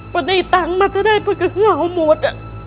เป็นได้ตังค์มาจะได้เป็นเครื่องอภัยหมด